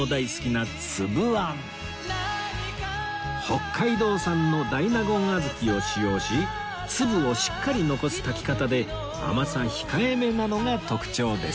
北海道産の大納言小豆を使用し粒をしっかり残す炊き方で甘さ控えめなのが特徴です